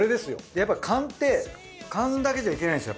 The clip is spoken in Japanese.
やっぱり燗って燗だけじゃいけないんですよ